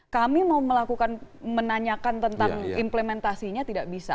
kami mau melakukan menanyakan tentang implementasinya tidak bisa